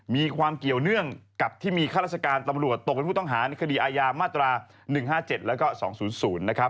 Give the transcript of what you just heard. มีความเกี่ยวเนื่องกับที่มีข้าราชการตำรวจตกเป็นผู้ต้องหาในคดีอาญามาตรา๑๕๗แล้วก็๒๐๐นะครับ